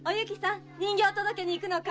人形届けに行くのかい？